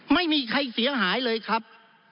ไม่มีใครเสียหายเลยครับ